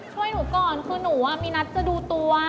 ช่วยหนูก่อนคือหนูมีนัดจะดูตัว